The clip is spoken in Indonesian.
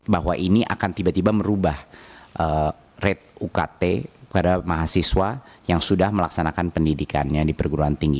bahwa ini akan tiba tiba merubah rate ukt pada mahasiswa yang sudah melaksanakan pendidikannya di perguruan tinggi